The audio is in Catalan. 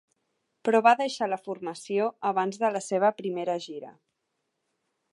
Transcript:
Però va deixar la formació abans de la seva primera gira.